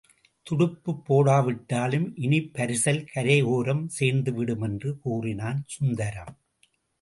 துடுப்புப் போடாவிட்டாலும் இனிப் பரிசல் கரையோரம் சேர்ந்துவிடும் என்று கூறினான் சுந்தரம்.